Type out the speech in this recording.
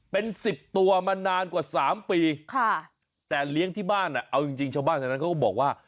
เป็น๑๐ตัวมานานกว่า๓ปีแต่เลี้ยงที่บ้านเอาจริงชาวบ้านแถวนั้นเขาก็บอกว่า